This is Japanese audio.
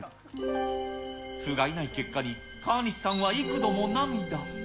ふがいない結果に、川西さんは幾度も涙。